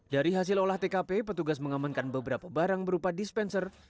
dari hasil olah tkp petugas mengamankan beberapa barang berupa dispenser